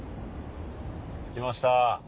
着きました。